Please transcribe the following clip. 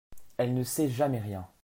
Elle ne sait jamais rien !